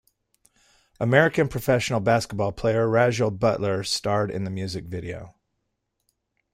American professional basketball player Rasual Butler starred in the music video.